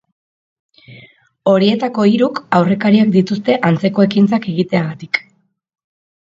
Horietako hiruk aurrekariak dituzte antzeko ekintzak egiteagatik.